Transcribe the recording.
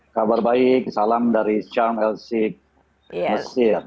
kabar baik salam dari syam el sik mesir